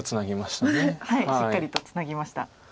しっかりとツナぎました。